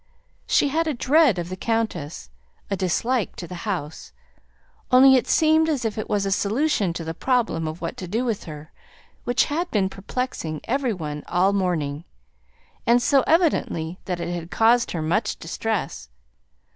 She had a dread of the countess, a dislike to the house; only it seemed as if it was a solution to the problem of what to do with her, which had been perplexing every one all morning, and so evidently that it had caused her much distress.